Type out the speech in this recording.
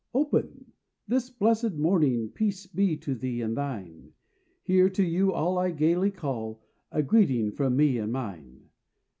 Open! This blessed morning Peace be to thee and thine! Here to you all I gaily call A greeting from me and mine.